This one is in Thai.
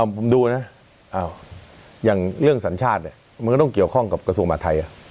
ผมดูนะอย่างเรื่องสัญชาติเนี่ยมันก็ต้องเกี่ยวข้องกับกระทรวงมหาธัย